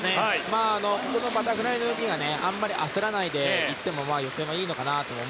ここのバタフライの動きがあんまり焦らないでいっても予選はいいのかなと。